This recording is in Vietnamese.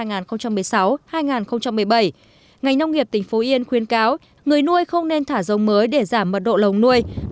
ngành nông nghiệp tỉnh phú yên khuyến cáo người nuôi không nên thả rồng mới để giảm mật độ lồng nuôi